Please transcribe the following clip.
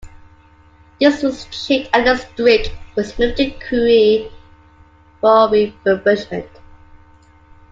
This was achieved, and the 'Streak' was moved to Crewe for refurbishment.